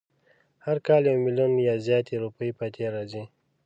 هر کال یو میلیونه یا زیاتې روپۍ پاتې راځي.